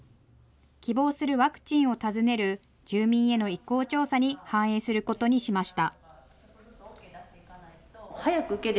希望するワクチンを尋ねる住民への意向調査に反映することにしました。